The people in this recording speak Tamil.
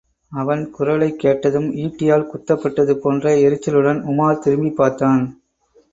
அவன் குரலைக்கேட்டதும், ஈட்டியால் குத்துப்பட்டது போன்ற எரிச்சலுடன் உமார் திரும்பிப்பார்த்தான்.